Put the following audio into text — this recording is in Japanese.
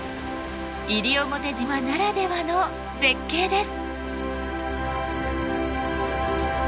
西表島ならではの絶景です。